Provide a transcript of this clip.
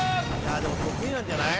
でも得意なんじゃない？